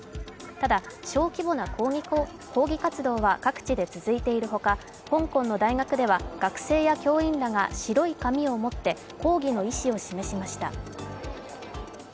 ただ、小規模な抗議活動は各地で続いているほか香港の大学では学生や教員らが白い紙を持って抗議の意志を示しました。